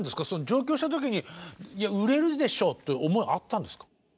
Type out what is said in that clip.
上京した時にいや売れるでしょうっていう思いあったんですか？